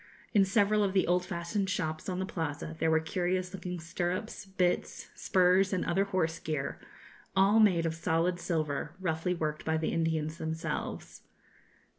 In several of the old fashioned shops on the Plaza there were curious looking stirrups, bits, spurs, and other horse gear, all made of solid silver, roughly worked by the Indians themselves.